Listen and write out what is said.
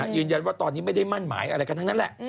ยืนยันว่าตอนนี้ไม่ได้มั่นหมายอะไรกันทั้งนั้นแหละ